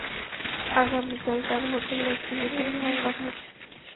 আগামীকাল তার হোটেলে একটা মিটিং হওয়ার কথা আছে।